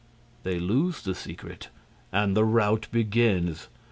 They lose the secret; and the rout begins.